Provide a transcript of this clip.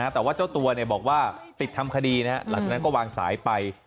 แต่ว่าเจ้าตัวบอกว่าติดทำคดีหลังจากนั้นก็วางสายไป